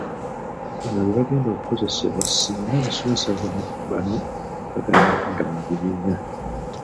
Bano bebagenda okukozesebwa singa abasomesa bano bagaana okudda mu bibiina.